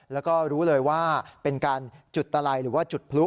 แล้วก็รู้เลยว่าเป็นการจุดตะไลหรือว่าจุดพลุ